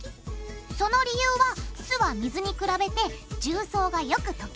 その理由は酢は水に比べて重曹がよく溶けるから。